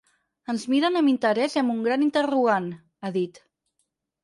Ens miren amb interès i amb un gran interrogant, ha dit.